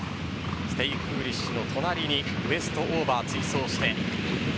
ステイフーリッシュの隣にウエストオーバー、追走している。